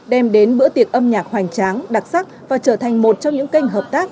đem đến bữa tiệc âm nhạc hoành tráng đặc sắc và trở thành một trong những kênh hợp tác